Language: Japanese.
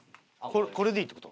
これでいいって事？